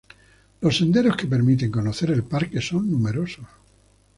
Los senderos que permiten conocer el parque son numerosos.